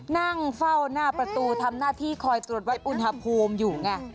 นั่งเฝ้าหน้าประตูทำหน้าที่คอยตรวจวัดอุณหภูมิอยู่ไง